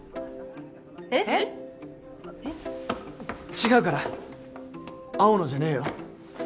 違うから青のじゃねえよ。